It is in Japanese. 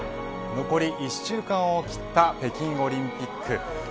残り１週間を切った北京オリンピック